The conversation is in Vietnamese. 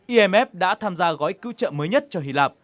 imf đã tham gia gói cứu trợ mới nhất cho hy lạp